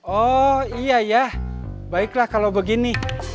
oh iya ya baiklah kalau begini